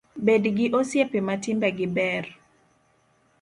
Bed gi osiepe ma timbe gi ber